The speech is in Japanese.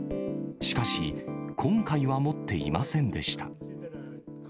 しかし、今回は持っていませんでした。